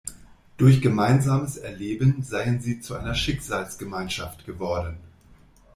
Durch gemeinsames Erleben seien sie zu einer Schicksalsgemeinschaft geworden.